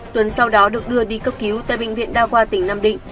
tuấn sau đó được đưa đi cấp cứu tại bệnh viện đa khoa tỉnh nam định